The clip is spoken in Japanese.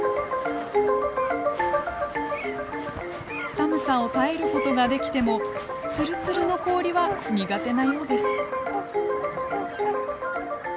寒さを耐えることができてもツルツルの氷は苦手なようです。